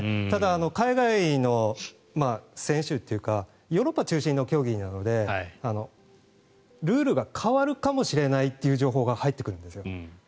ただ、海外の選手というかヨーロッパ中心の競技なのでルールが変わるかもしれないという情報が入ってくるんですよ。